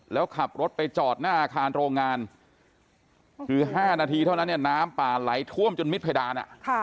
แล้วขับรถไปจอดหน้าอาคารโรงงานคือ๕นาทีเท่านั้นเนี่ยน้ำป่าไหลท่วมจนมิดเพดาน